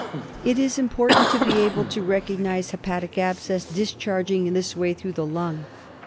It is important to be able to recognise hepatic abscess discharging in this way through the lung.